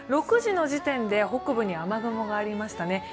６時の時点で北部に雨雲がありましたね。